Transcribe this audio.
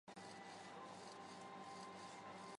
可见此曲之广泛。